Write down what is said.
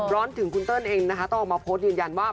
ร้อนถึงคุณเติ้ลเองนะคะต้องออกมาโพสต์ยืนยันว่า